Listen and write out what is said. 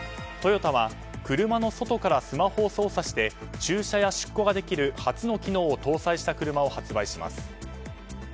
トヨタは、車の外からスマホを操作して駐車や出庫ができる初の機能を搭載した車を発売します。